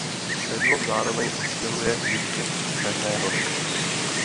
Sedlo zároveň odděluje Ještěd od Černé hory.